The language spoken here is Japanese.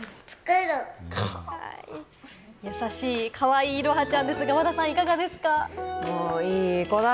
優しい、かわいい彩羽ちゃんですが、和田さん、いかがですか？